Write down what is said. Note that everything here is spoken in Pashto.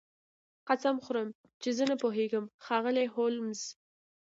قسم خورم چې زه نه پوهیږم ښاغلی هولمز